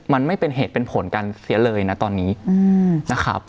มันไม่เป็นเหตุเป็นผลกันเสียเลยนะตอนนี้นะครับ